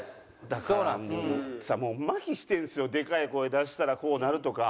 だからもうもうまひしてるんですよでかい声出したらこうなるとか。